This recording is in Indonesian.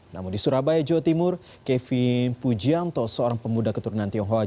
namun di surabaya jawa timur kevin pujianto seorang pemuda keturunan tionghoa